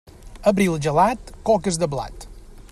Abril gelat, coques de blat.